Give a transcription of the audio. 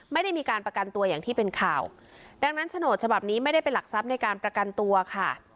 ไม่ได้มีการประกันตัวอย่างที่เป็นข่าวดังนั้นโฉนดฉบับนี้ไม่ได้เป็นหลักทรัพย์ในการประกันตัวค่ะ